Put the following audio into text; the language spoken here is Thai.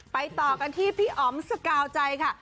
ต่อกันที่พี่อ๋อมสกาวใจค่ะ